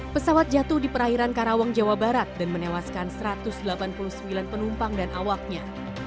pesawat jatuh di perairan karawang jawa barat dan menewaskan satu ratus delapan puluh sembilan penumpang dan awaknya